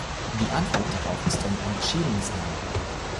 Die Antwort darauf ist ein entschiedenes Nein.